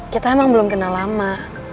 kita emang belum kenal lama